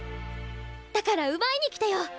だから奪いにきてよ。